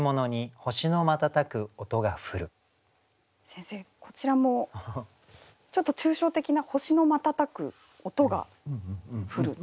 先生こちらもちょっと抽象的な「星のまたたく音が降る」。